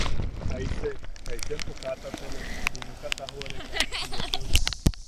¿Aise, jaisa empo kaa tatale junuka tajoʼoreka ti yeeteu!